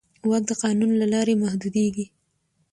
واک د قانون له لارې محدودېږي.